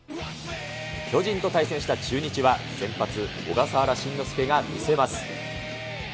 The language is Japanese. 巨人と対戦した中日は先発、小笠原慎之介が見せます。